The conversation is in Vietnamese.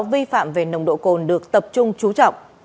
vi phạm về nồng độ cồn được tập trung trú trọng